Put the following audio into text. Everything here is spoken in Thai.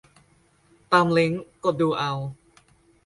ตามลิงก์ กดดูเอา